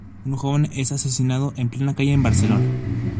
Un joven es asesinado en plena calle en Barcelona.